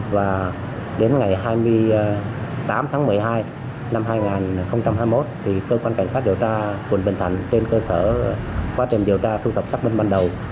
và đến ngày hai mươi tám tháng một mươi hai năm hai nghìn hai mươi một thì cơ quan cảnh sát điều tra quận bình thạnh trên cơ sở quá trình điều tra thu tập xác minh ban đầu